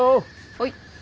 はい。